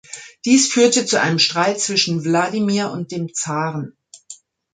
Dies führte zu einem Streit zwischen Wladimir und dem Zaren.